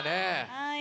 はい。